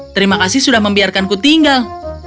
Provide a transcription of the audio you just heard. terima kasih sudah membiarkanku tinggal